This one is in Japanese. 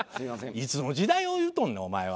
いつの時代を言うとんねんお前は。